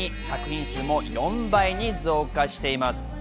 作品数も４倍に増加しています。